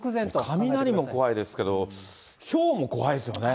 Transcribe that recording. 雷も怖いですけど、ひょうも怖いですよね。